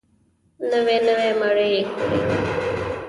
نوې نوي مړي يې کړي وو.